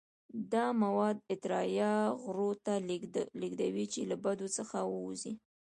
دا مواد اطراحیه غړو ته لیږدوي چې له بدن څخه ووځي.